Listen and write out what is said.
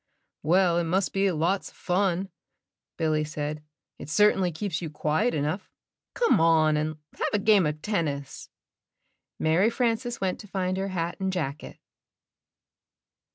''Well, it must be lots of fun," Billy said. "It^^ certainly keeps you quiet enough. Come on, and fc^ Ol^d^ have a game of tennis." inne JMUltp! Mary Frances went to find her hat and jacket.